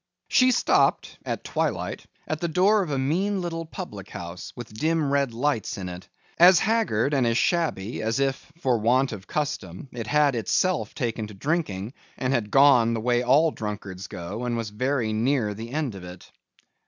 She stopped, at twilight, at the door of a mean little public house, with dim red lights in it. As haggard and as shabby, as if, for want of custom, it had itself taken to drinking, and had gone the way all drunkards go, and was very near the end of it.